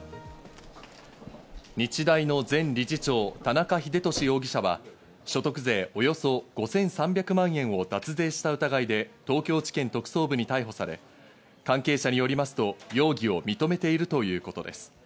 日大の前理事長・田中英壽容疑者は、所得税およそ５３００万円を脱税した疑いで、東京地検特捜部に逮捕され、関係者によりますと容疑を認めているということです。